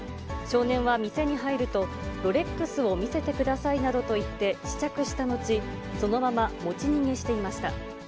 少年は店に入ると、ロレックスを見せてくださいなどと言って試着した後、そのまま持ち逃げしていました。